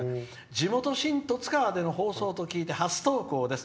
「地元・新十津川の放送と聞いて、初投稿です。